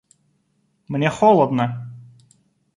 — Мне холодно.